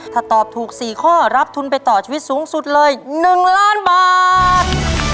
ถ้าตอบถูก๔ข้อรับทุนไปต่อชีวิตสูงสุดเลย๑ล้านบาท